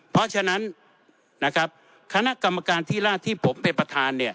เพราะฉะนั้นคณะกรรมการที่ราชที่ผมเป็นประธาน